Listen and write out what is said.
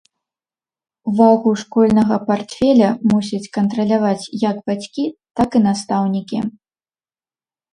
Вагу школьнага партфеля мусяць кантраляваць як бацькі, так і настаўнікі.